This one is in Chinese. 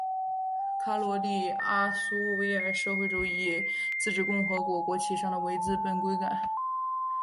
卡累利阿苏维埃社会主义自治共和国国旗上的文字被更改。